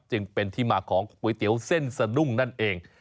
จึงเป็นที่มาของก๋วยเตี๋ยวเส้นสะดุ้งนั่นเอง